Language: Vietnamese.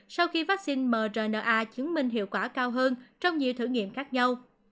sau khi vắc xin mrna chứng minh hiệu quả cao hơn trong nhiều thử nghiệm khác nhau